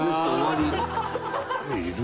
いる？